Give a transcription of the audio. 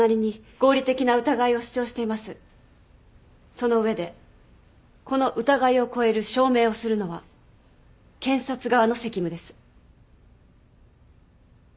その上でこの疑いを超える証明をするのは検察側の責務です。